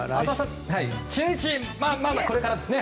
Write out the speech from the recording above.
中日、まだこれからですね。